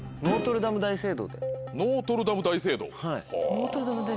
ノートル・ダム大聖堂で。